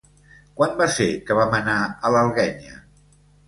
Quan va ser que vam anar a l'Alguenya?